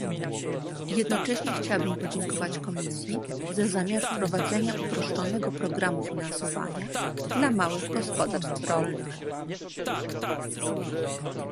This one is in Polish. Jednocześnie chciałabym podziękować Komisji za zamiar wprowadzenia uproszczonego programu finansowania dla małych gospodarstw rolnych